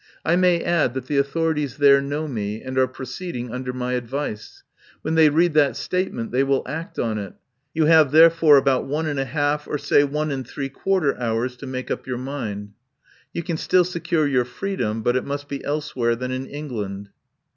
I may add that the authorities there know me, and are proceed ing under my advice. When they read that statement they will act on it. You have there fore about one and a half, or say one and three quarter hours to make up your mind. You can still secure your freedom, but it must be elsewhere than in England."